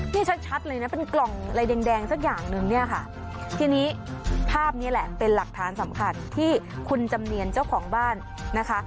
นี่ชัดชัดเลยนะเป็นกล่องอะไรแดงสักอย่างนึงเนี่ยค่ะทีนี้ภาพนี้แหละเป็นหลักฐานสำคัญที่คุณจำเนียนเจ้าของบ้านนะคะ